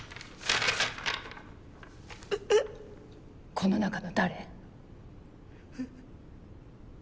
この中の誰？